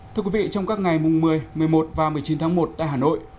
thưa quý vị trong các ngày mùng một mươi một mươi một và một mươi chín tháng một tại hà nội